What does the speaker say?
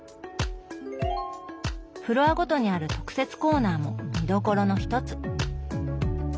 フロアごとにある特設コーナーも見どころの一つ。